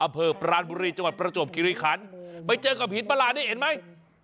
อำเภอปรานบุรีจังหวัดประจวบคิริคันไปเจอกับหินประหลาดนี่เห็นไหม